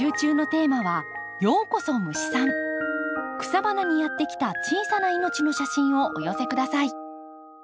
草花にやって来た小さな命の写真をお寄せ下さい。